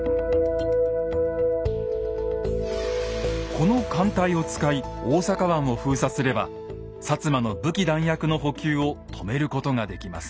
この艦隊を使い大阪湾を封鎖すれば摩の武器弾薬の補給を止めることができます。